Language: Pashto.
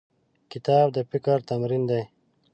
کتاب د فکر تمرین دی.